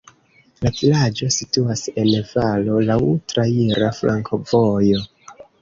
La vilaĝo situas en valo, laŭ traira flankovojo.